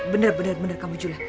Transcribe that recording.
bener bener bener kamu juga